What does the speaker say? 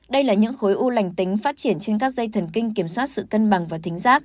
đây là những khối u lành tính phát triển trên các dây thần kinh kiểm soát sự cân bằng và tính giác